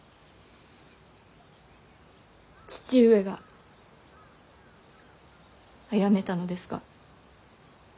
父上があやめたのですか。